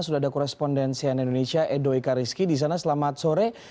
sudah ada korespondensian indonesia edo ikariski disana selamat sore